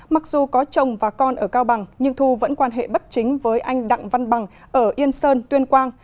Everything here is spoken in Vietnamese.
mặc dù có chồng và con ở cao bằng nhưng thu vẫn quan hệ bất chính với anh đặng văn bằng ở yên sơn tuyên quang